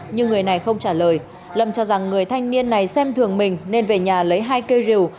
nhưng người này không trả lời lâm cho rằng người thanh niên này xem thường mình nên về nhà lấy hai cây rìu